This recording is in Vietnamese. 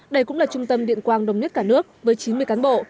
đây cũng là trung tâm điện quang đồng nhất cả nước với chín mươi cán bộ